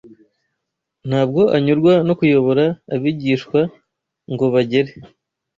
Ntabwo anyurwa no kuyobora abigishwa ngo bagere